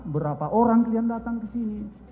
berapa orang kalian datang ke sini